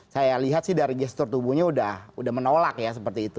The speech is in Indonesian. saya lihat sih dari gestur tubuhnya udah menolak ya seperti itu